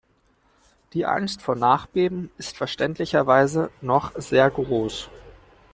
Die Angst vor Nachbeben ist verständlicherweise noch sehr groß.